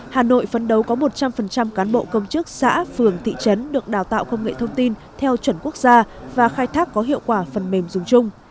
hà nội phấn đấu có một trăm linh cán bộ công chức xã phường thị trấn được đào tạo công nghệ thông tin theo chuẩn quốc gia và khai thác có hiệu quả phần mềm dùng chung